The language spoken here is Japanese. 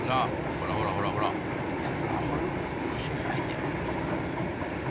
ほらほらほらほらあんまり動かしようないで。